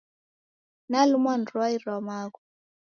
Nalumwa ni rwai ra maghu.